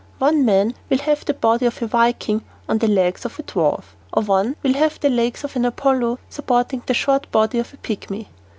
One man will have the body of a viking on the legs of a dwarf, or one will have the legs of an Apollo supporting the short body of a pigmy.